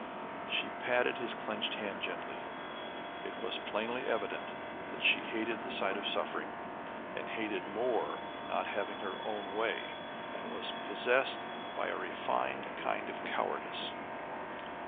She patted his clenched hand gently. It was plainly evident that she hated the sight of suffering, and hated more not having her own way, and was possessed by a refined kind of cowardice.